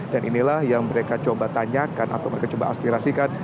dan inilah yang mereka coba tanyakan atau mereka coba aspirasikan